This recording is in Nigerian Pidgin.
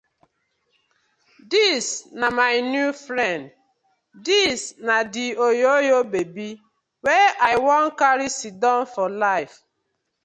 Dis na my new friend, dis na di oyoyo babi wey I won karry sidon for life.